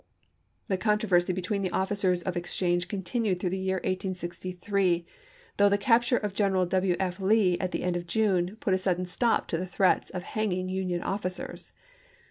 The controversy between the officers of exchange continued through the year 1863, though the cap ture of General W. F. Lee, at the end of June, put a sudden stop to the threats of hanging Union officers.